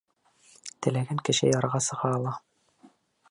Теләгән кеше ярға сыға ала.